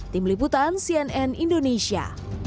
tim liputan cnn indonesia